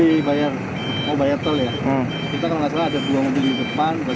pembuat sebagian kendaraan yang tertabrak terguling persis di depan gerbang tol